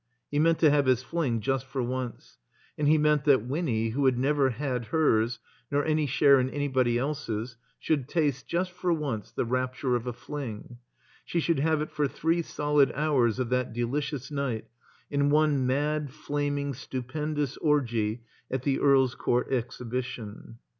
He meant to have his fling just for once. And he meant that Winny, who had never had hers, nor any share in anybody else's, should taste, just for once, the rapture of a fling. She should have it for three solid hours of that delicious night, in one mad, flaming, stupendous orgy at the Earl's Court Exhibition.